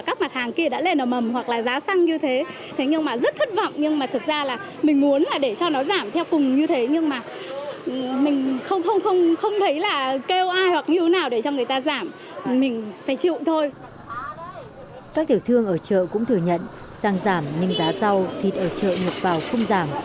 các tiểu thương ở chợ cũng thừa nhận xăng giảm nhưng giá rau thịt ở chợ nhục vào không giảm